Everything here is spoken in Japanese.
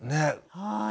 はい。